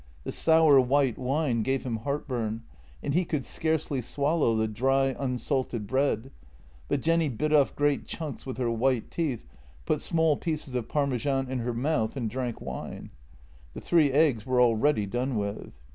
The sour white wine gave him heartburn, and he could scarcely swallow the dry, unsalted bread, but Jenny bit off great chunks with her white teeth, put small pieces of Parmesan in her mouth, and drank wine. The three eggs were already done with.